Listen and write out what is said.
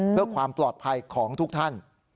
เพื่อความปลอดภัยของทุกท่าน